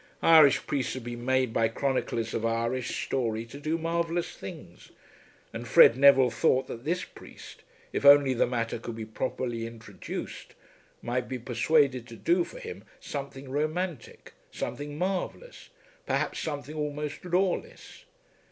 Irish priests have been made by chroniclers of Irish story to do marvellous things; and Fred Neville thought that this priest, if only the matter could be properly introduced, might be persuaded to do for him something romantic, something marvellous, perhaps something almost lawless.